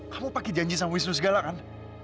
kamu pakai janji sama wisnu segala kan